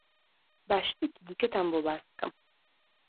با شتێکی دیکەتان بۆ باس بکەم.